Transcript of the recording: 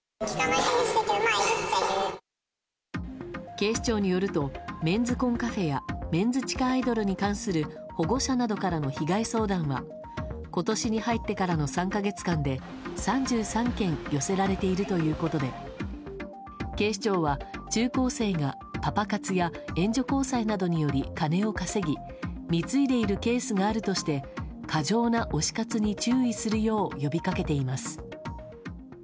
警視庁によるとメンズコンカフェやメンズ地下アイドルに関する保護者などからの被害相談は今年に入ってからの３か月間で３３件寄せられているということで警視庁は、中高生がパパ活や援助交際などにより金を稼ぎ貢いでいるケースがあるとして過剰な推し活に注意するよう呼びかけています。